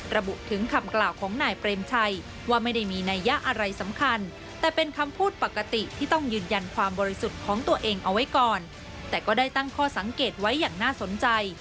ระบุถึงคำกล่าวของนายเปลมชัยว่ามันไม่ได้มีนัยยะอะไรสำคัญ